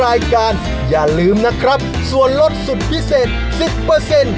อย่าลืมนะครับส่วนลดสุดพิเศษสิบเปอร์เซ็นต์